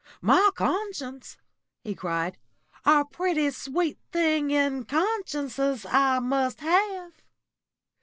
"My conscience!" he cried, "a pretty sweet thing in consciences I must have!